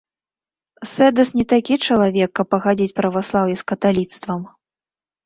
Сэдас не такі чалавек, каб пагадзіць праваслаўе з каталіцтвам.